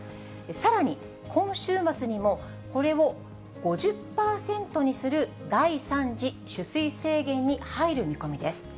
さらに今週末にもこれを５０％にする第３次取水制限に入る見込みです。